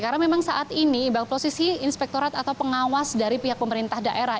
karena memang saat ini posisi inspektorat atau pengawas dari pihak pemerintah daerah